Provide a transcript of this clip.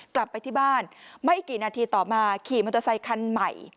กลับไปที่บ้านไม่กี่นาทีต่อมาขี่มอเตอร์ไซคันใหม่